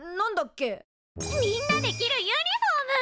みんなで着るユニフォーム！